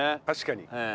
確かに。